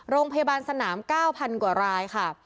โรงพยาบาลสนาม๙๐๐กว่ารายค่ะ